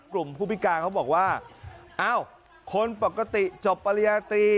กลุ่มผู้พิการเขาบอกว่าเอ้าคนปกติจบปริญญาตรี